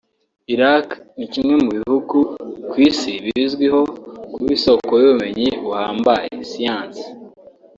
Iraq ni kimwe mu bihugu ku isi bizwiho kuba isoko y’ubumenyi buhambaye (science)